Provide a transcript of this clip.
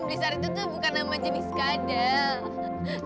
besar itu tuh bukan nama jenis kadal